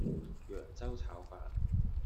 揚州炒飯